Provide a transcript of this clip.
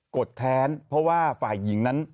ดแค้นเพราะว่าฝ่ายหญิงนั้น